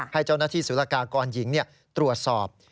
ให้เจ้าหน้าที่สุรกากรหญิงตรวจสอบ